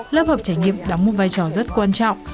lớp học trải nghiệm đóng một vai trò rất quan trọng